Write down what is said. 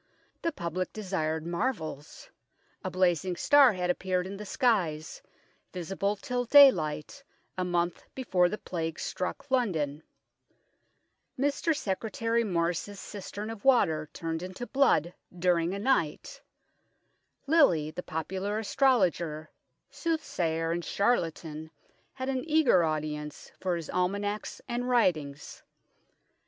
The public de sired marvels. A blazing star had appeared in the skies, visible till daylight, a month before the Plague struck London. Mr Secretary Morris's cistern of water turned into blood during a night. Lilly, the popular astrologer, soothsayer and charlatan had an eager audience for his almanacs and writings.